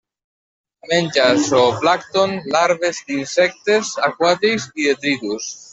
Menja zooplàncton, larves d'insectes aquàtics i detritus.